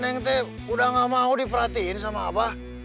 neng udah gak mau diperhatiin sama abah